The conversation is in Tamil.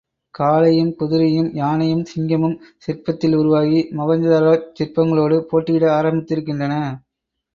காளையும், குதிரையும், யானையும், சிங்கமும் சிற்பத்தில் உருவாகி, மொஹஞ்சதாரோச் சிற்பங்களோடு போட்டியிட ஆரம்பித்திருக்கின்றன.